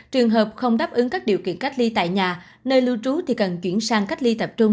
trường hợp không đáp ứng các điều kiện cách ly tại nhà nơi lưu trú thì cần chuyển sang cách ly tập trung